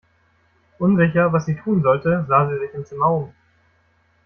Unsicher, was sie tun sollte, sah sie sich im Zimmer um.